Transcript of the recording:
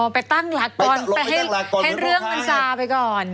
ไปตั้งหลักก่อนให้เรื่องมันซาไปก่อน